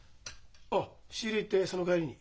ああ仕入れ行ってその帰りに。